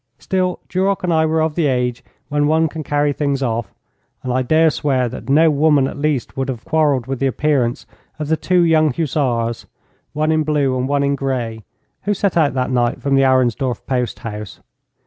Still, Duroc and I were of the age when one can carry things off, and I dare swear that no woman at least would have quarrelled with the appearance of the two young hussars, one in blue and one in grey, who set out that night from the Arensdorf post house.